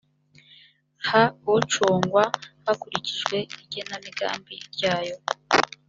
ha acungwa hakurikijwe igenamigambi ryayo